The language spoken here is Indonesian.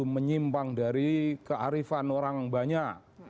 menyimpang dari kearifan orang banyak